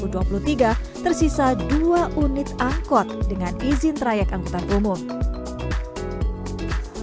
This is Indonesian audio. pengamat transportasi universitas udayana menjelaskan faktor kemudahan memiliki kendaraan pribadi serta keberadaan angkutan sewa yang murah dan lebih nyaman membuat angkot sulit berkompetisi